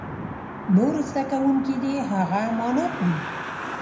نور زده کوونکي دې هغه معنا کړي.